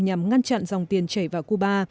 nhằm ngăn chặn dòng tiền chảy vào cuba